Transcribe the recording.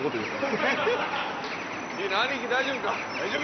兄貴大丈夫か？